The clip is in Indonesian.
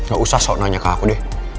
gak usah so nanya ke aku deh